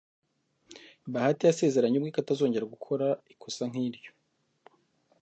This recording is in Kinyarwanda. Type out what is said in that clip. Bahati yasezeranye ubwe ko atazongera gukora ikosa nk'iryo.